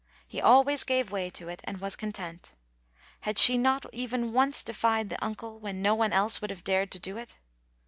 He always gave way to it and was content. Had she not even once defied the uncle when no one else would have dared to do it?